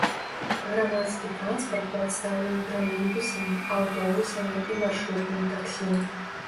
Грамадскі транспарт прадстаўлены тралейбусамі, аўтобусамі і маршрутным таксі.